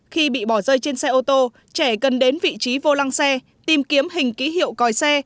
khi bị bỏ rơi trên xe ô tô trẻ cần đến vị trí vô lăng xe tìm kiếm hình ký hiệu còi xe